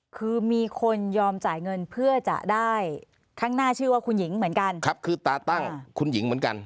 คือมีคนยอมจ่ายเงินเพื่อจะได้ข้างหน้าชื่อว่าคุณหญิงเหมือนกันครับคือตาตั้งคุณหญิงเหมือนกัน